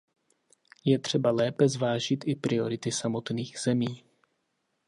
Je třeba lépe zvážit i priority samotných zemí.